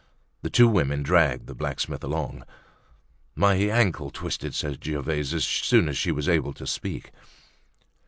The two women dragged the blacksmith along. "My ankle twisted," said Gervaise as soon as she was able to speak.